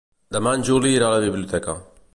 Demà en Juli irà a la biblioteca.